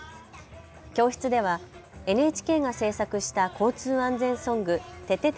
教室ではＮＨＫが制作した交通安全ソング、ててて！